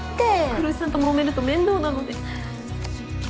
来栖さんともめると面倒なので。